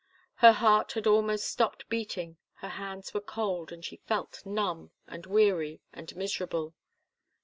Her heart had almost stopped beating, her hands were cold, and she felt numb, and weary, and miserable.